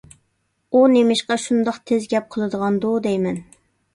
ئۇ نېمىشقا شۇنداق تېز گەپ قىلىدىغاندۇ دەيمەن؟